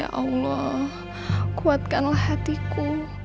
ya allah kuatkanlah hatiku